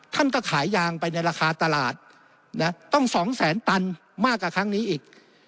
ท่านก็ขายยางไปในราคาตลาดต้อง๒แสนตันมากกว่าครั้งนี้อีก